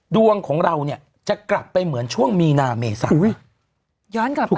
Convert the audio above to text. ดวงของเราจะกลับไปเหมือนช่วงมีนาเมศัพท์